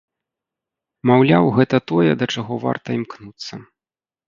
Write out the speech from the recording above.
Маўляў, гэта тое, да чаго варта імкнуцца.